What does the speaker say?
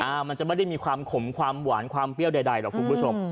มันจะไม่ได้มีความขมความหวานความเปรี้ยวใดหรอกคุณผู้ชม